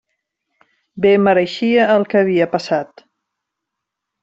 Bé mereixia el que havia passat.